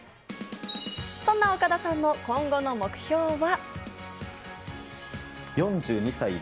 そんな岡田さんの今後の目標は。